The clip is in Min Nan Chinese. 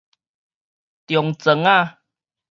中庄子